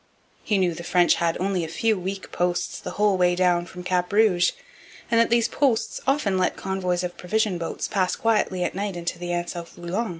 He knew the French had only a few weak posts the whole way down from Cap Rouge, and that these posts often let convoys of provision boats pass quietly at night into the Anse au Foulon.